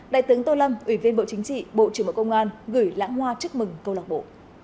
đại tướng tô lâm ủy viên bộ chính trị bộ trưởng bộ công an gửi lãng hoa chúc mừng câu lạc bộ